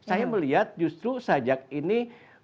saya melihat justru sajak ini